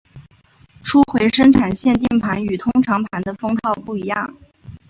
初回生产限定盘与通常盘的封套不一样。